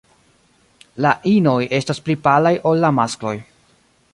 La inoj estas pli palaj ol la maskloj.